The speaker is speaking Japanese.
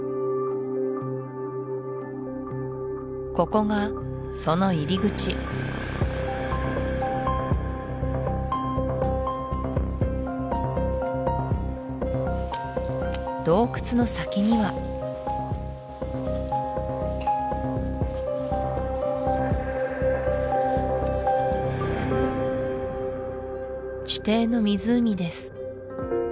ここがその入り口洞窟の先には地底の湖です